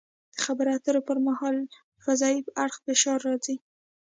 د خبرو اترو پر مهال په ضعیف اړخ فشار راځي